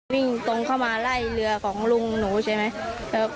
วิ่งตรงเข้ามาไล่เรือของลุงหนูใช่ไหม